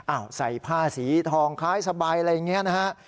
ใส่ผ้าสีทองคล้ายสบายอะไรอย่างนี้นะฮะ